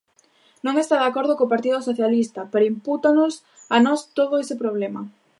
Non está de acordo co Partido Socialista pero impútanos a nós todo ese problema.